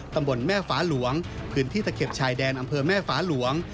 ตำบลแม่ฟ้าหลวงพื้นที่ตะเข็บชายแดนอำเภอแม่ฟ้าหลวง